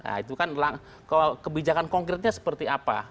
nah itu kan kebijakan konkretnya seperti apa